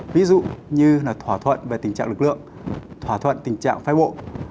ví dụ như thỏa thuận về tình trạng lực lượng thỏa thuận tình trạng phái bộ